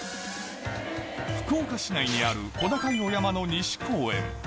福岡市内にある小高いお山の西公園。